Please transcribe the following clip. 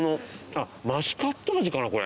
あっマスカット味かなこれ。